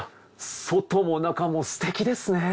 外も中もすてきですね。